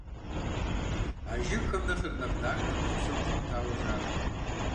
А жыгхэм нэхърэ нэхъ дахэ мэз псом щӏэмытауэ жаӏэ.